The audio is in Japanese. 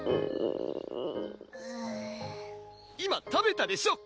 今食べたでしょ！